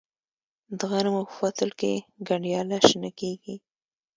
د غنمو په فصل کې گنډیاله شنه کیږي.